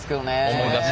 思い出す。